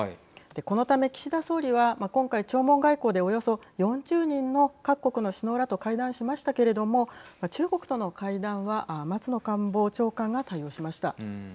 このため岸田総理は今回、弔問外交でおよそ４０人の各国の首脳らと会談しましたけれども中国との会談は松野官房長官が対応しました。